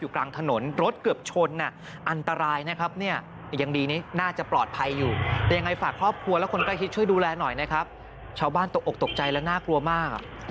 อกตกใจและน่ากลัวมาก